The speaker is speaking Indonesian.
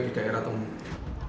di daerah tempat